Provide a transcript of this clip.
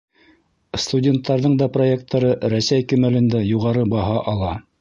Студенттарҙың да проекттары Рәсәй кимәлендә юғары баһа ала.